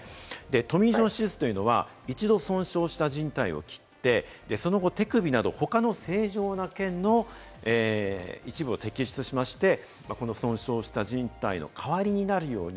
トミー・ジョン手術というのは一度、損傷したじん帯を切って、その後、手首など他の正常な腱の一部を摘出しまして、この損傷したじん帯の代わりになるように